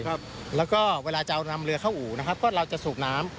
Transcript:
แล้วก็เวลาจะเอานำเรือเข้าอู่นะครับก็เราจะสูบน้ำ